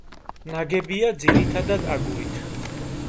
ნაგებია ძირითადად აგურით.